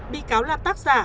bị cáo là tác giả